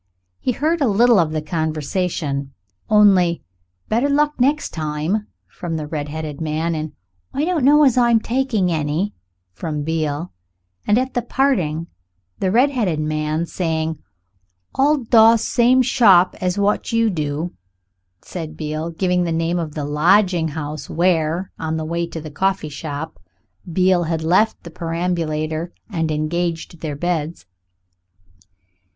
He heard little of the conversation; only "better luck next time" from the redheaded man, and "I don't know as I'm taking any" from Beale, and at the parting the redheaded man saying, "I'll doss same shop as wot you do," and Beale giving the name of the lodging house where, on the way to the coffee shop, Beale had left the perambulator and engaged their beds.